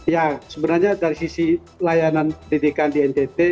ya sebenarnya dari sisi layanan pendidikan di ntt